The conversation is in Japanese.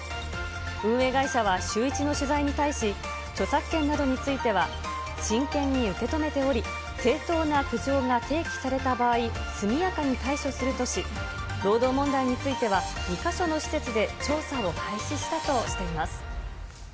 運営会社はシューイチの取材に対し、著作権などについては、真剣に受け止めており、正当な苦情が提起された場合、速やかに対処するとし、労働問題については、２か所の施設で調査を開始したとしています。